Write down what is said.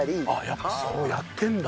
やっぱそうやってんだ。